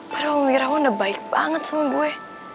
waduh wirawan udah baik banget sama gue